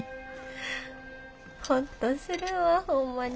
ほっとするわほんまに。